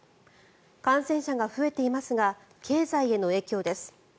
感染者が増えていますが経済への影響です。